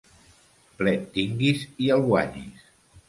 Plet tinguis i el guanyis.